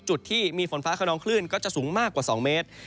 จุดที่มีฝนฟ้าขนองคลื่นก็จะสูงมากกว่า๒เมตร